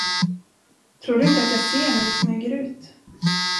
Tror du inte att jag ser när du smyger ut?